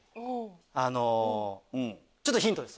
ちょっとヒントです